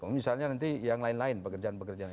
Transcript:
kalau misalnya nanti yang lain lain pekerjaan pekerjaan ini